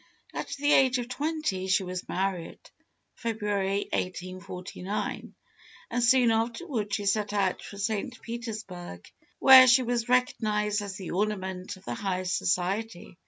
At the age of twenty she was married (February, 1849), and soon afterwards she set out for St. Petersburg, where she was recognised as the ornament of the higher society.